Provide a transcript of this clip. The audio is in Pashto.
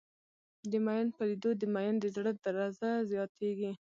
د ميئن په لېدو د ميئن د زړه درزه زياتېږي.